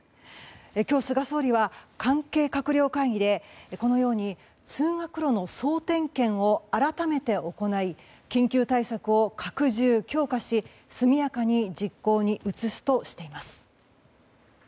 今日、菅総理は関係閣僚会議でこのように通学路の総点検を改めて行い緊急対策を拡充・強化し速やかに実行に移すとしています。